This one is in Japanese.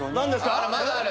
あらまだある？